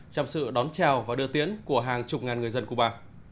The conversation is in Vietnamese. trong sự đón chào và đưa tiễn của hàng chục ngàn người dân cuba